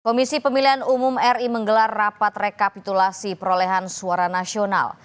komisi pemilihan umum ri menggelar rapat rekapitulasi perolehan suara nasional